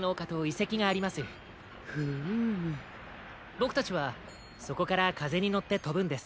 ボクたちはそこからかぜにのってとぶんです。